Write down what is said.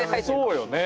そうよね。